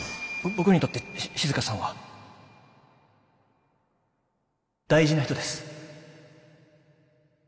僕にとってしっしずかさんは大事な人です。